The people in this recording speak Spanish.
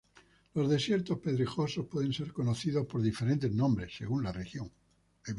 Los desiertos pedregosos puede ser conocidos por diferentes nombres según la región.